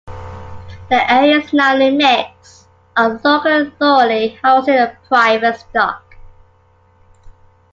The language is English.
The area is now a mix of local authority housing and private stock.